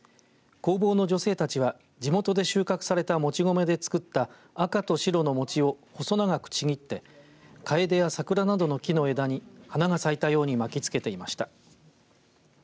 工房の女性たちは地元で収穫されたもち米で作った赤と白の餅を細長くちぎってかえでや桜などの木の枝に花が咲いたように巻きつけていました。